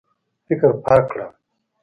فکر پاک کړه.